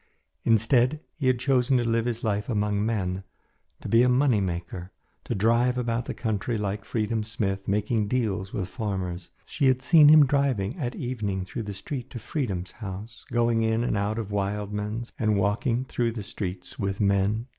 Instead, he had chosen to live his life among men, to be a money maker, to drive about the country like Freedom Smith, making deals with farmers. She had seen him driving at evening through the street to Freedom's house, going in and out of Wildman's, and walking through the streets with men.